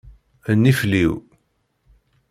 Nifliw.